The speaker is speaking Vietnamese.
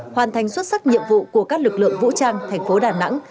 hoàn thành xuất sắc nhiệm vụ của các lực lượng vũ trang thành phố đà nẵng